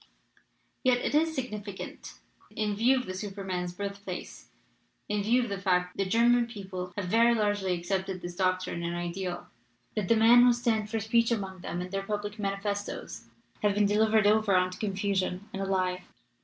"Yet it is significant, in view of the Superman's birthplace, in view of the fact that the German people have very largely accepted his doctrine 300 HERESY OF SUPERMANISM and ideal, that the men who stand for speech among them, in their public manifestoes have been delivered over unto confusion and a lie.